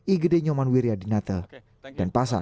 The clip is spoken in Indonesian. igede nyoman wiryadinata dan pasar